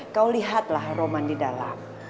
kau lihatlah roman di dalam